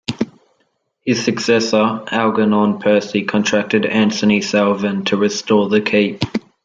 His successor, Algernon Percy, contracted Anthony Salvin to restore the keep.